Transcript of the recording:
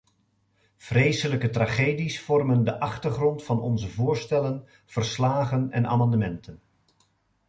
Vreselijke tragedies vormen de achtergrond van onze voorstellen, verslagen en amendementen.